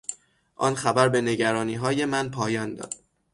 آن خبر به نگرانیهای من پایان داد.